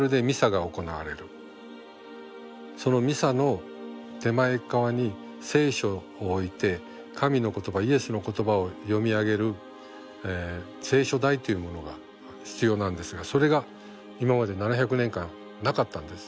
そのミサの手前側に「聖書」を置いて神の言葉イエスの言葉を読み上げる聖書台というものが必要なんですがそれが今まで７００年間なかったんです。